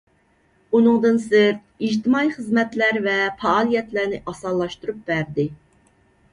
ئۇنىڭدىن سىرت، ئىجتىمائىي خىزمەتلەر ۋە پائالىيەتلەرنى ئاسانلاشتۇرۇپ بەردى.